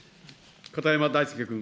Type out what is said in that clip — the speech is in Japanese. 片山大介君。